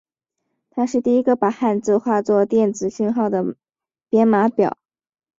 它是第一个把汉字化作电子讯号的编码表。